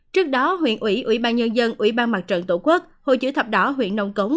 trước đó huyện ủy ủy ban nhân dân ủy ban mặt trận tổ quốc hội chữ thập đỏ huyện nông cống